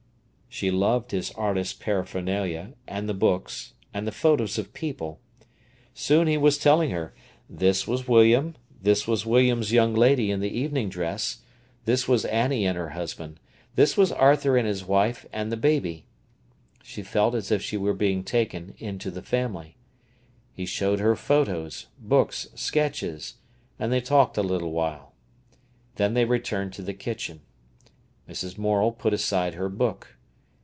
She loved his artist's paraphernalia, and the books, and the photos of people. Soon he was telling her: this was William, this was William's young lady in the evening dress, this was Annie and her husband, this was Arthur and his wife and the baby. She felt as if she were being taken into the family. He showed her photos, books, sketches, and they talked a little while. Then they returned to the kitchen. Mrs. Morel put aside her book.